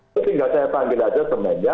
itu tinggal saya panggil aja semennya